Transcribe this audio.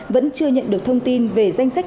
vẫn chưa nhận được thông tin về danh sách